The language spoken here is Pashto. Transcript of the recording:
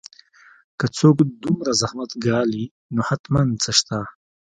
که څوک دومره زحمت ګالي نو حتماً څه شته